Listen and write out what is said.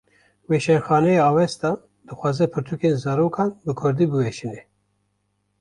Weşanxaneya Avesta, dixwaze pirtûkên zarokan bi Kurdî biweşîne